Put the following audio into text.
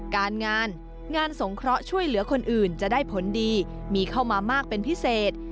การงานงานสงเคราะห์ช่วยเหลือคนอื่นจะได้ผลดีมีเข้ามามากเป็นพิเศษ